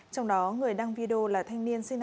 trong đó người đăng video là thanh niên sinh năm hai nghìn